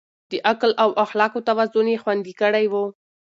د عقل او اخلاقو توازن يې خوندي کړی و.